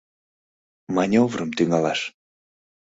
— Манёврым тӱҥалаш!..